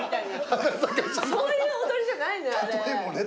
そういう踊りじゃないのよあれ。